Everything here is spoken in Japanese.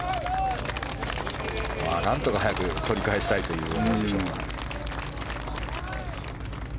なんとか早く取り返したいという思いでしょう。